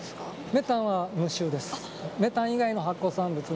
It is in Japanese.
メタンは無臭です。